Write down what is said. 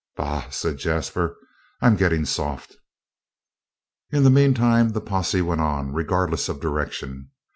"Bah!" said Jasper. "I'm getting soft!" In the meantime the posse went on, regardless of direction.